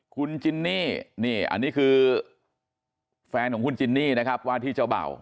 คุณจินนี่นี่อันนี้คือแฟนของคุณจินนี่นะครับว่าที่เจ้าเบ่า